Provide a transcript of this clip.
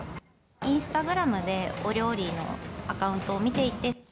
インスタグラムでお料理のアカウントを見ていて。